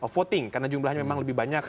voting karena jumlahnya memang lebih banyak